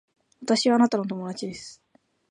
私はあなたの友達です